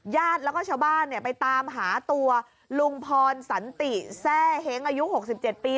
ญาติแล้วก็ชาวบ้านไปตามหาตัวลุงพรสันติแซ่เฮ้งอายุ๖๗ปี